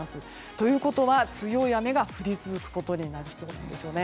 ということは、強い雨が降り続くことになりそうです。